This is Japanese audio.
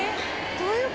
どういう事？